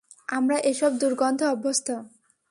আমরা এসব দুর্গন্ধে অভ্যস্ত।